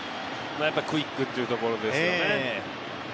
やっぱクイックというところですよね。